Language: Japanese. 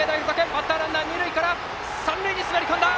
バッターランナーは三塁に滑り込んだ！